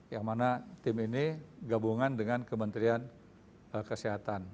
yang mana tim ini gabungan dengan kementerian kesehatan